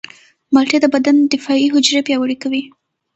مالټې د بدن دفاعي حجرې پیاوړې کوي.